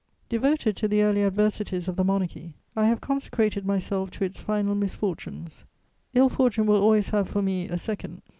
Devoted to the early adversities of the Monarchy, I have consecrated myself to its final misfortunes: ill fortune will always have for me a second.